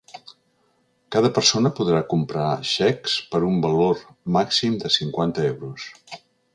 Cada persona podrà comprar xecs per un valor màxim de cinquanta euros.